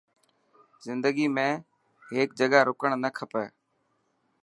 زندگي ۾ هيڪ جڳهه رڪرڻ نه کپي.